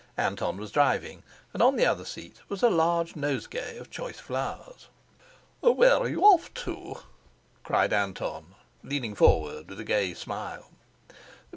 Anton was driving, and on the other seat was a large nosegay of choice flowers. "Where are you off to?" cried Anton, leaning forward with a gay smile.